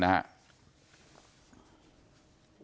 นะฮะ